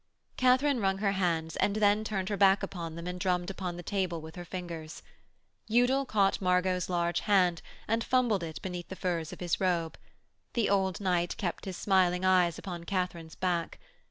Katharine wrung her hands, and then turned her back upon them and drummed upon the table with her fingers. Udal caught Margot's large hand and fumbled it beneath the furs of his robe: the old knight kept his smiling eyes upon Katharine's back.